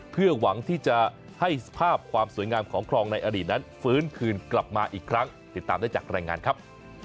เพื่อหวังที่จะให้สภาพความสวยงามของคลองในอดีตนั้นฟื้นคืนกลับมาอีกครั้งติดตามได้จากรายงานครับ